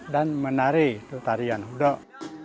dan menari itu tarian hudok